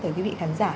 tới quý vị khán giả